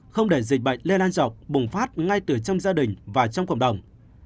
không để dịch bệnh lên an dọc bùng phát ngay từ trong gia đình và trong cộng đồng